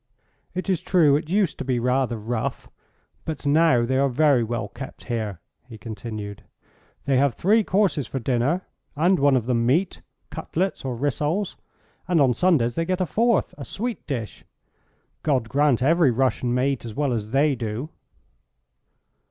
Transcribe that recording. "It is true it used to be rather rough, but now they are very well kept here," he continued. "They have three courses for dinner and one of them meat cutlets, or rissoles; and on Sundays they get a fourth a sweet dish. God grant every Russian may eat as well as they do."